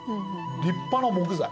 立派な木材。